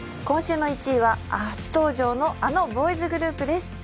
今週の１位は初登場のあのボーイズグループです。